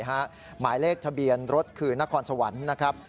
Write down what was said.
หมายเลขทะเบียนรถคือนครสวรรค์นะครับ